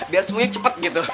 biar semuanya cepet gitu